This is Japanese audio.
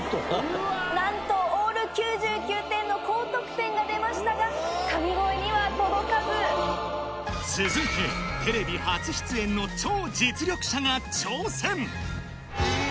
なんと、オール９９点の高得点が出ましたが、続いて、テレビ初出演の超実力者が挑戦。